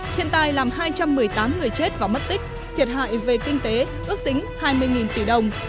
thiên tai làm hai trăm một mươi tám người chết và mất tích thiệt hại về kinh tế ước tính hai mươi tỷ đồng